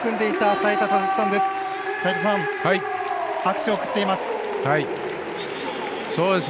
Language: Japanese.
齋田さん、拍手を送っています。